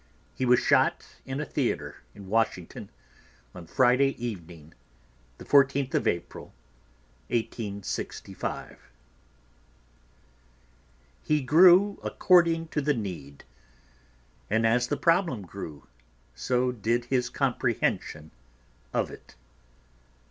He was shot in a theater in Washington on Friday evening, the 14th of April, 1865. "He grew according to the need, and as the problem grew, so did his comprehension of it."